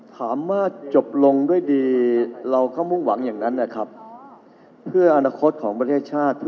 ถามว่าจบลงด้วยดีเราก็มุ่งหวังอย่างนั้นนะครับเพื่ออนาคตของประเทศชาติ